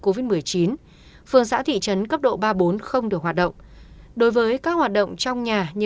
covid một mươi chín phường xã thị trấn cấp độ ba bốn không được hoạt động đối với các hoạt động trong nhà như